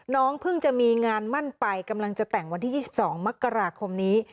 น้องเพิ่งจะมีงานมั่นไปกำลังจะแต่งวันที่๒๒มกราคมนี้